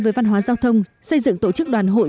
với văn hóa giao thông xây dựng tổ chức đoàn hội